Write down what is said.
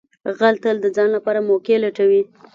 غل تل د ځان لپاره موقع لټوي